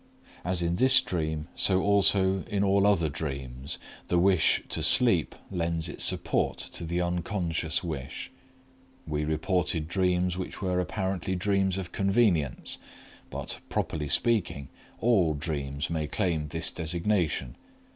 As in this dream so also in all other dreams, the wish to sleep lends its support to the unconscious wish. We reported dreams which were apparently dreams of convenience. But, properly speaking, all dreams may claim this designation.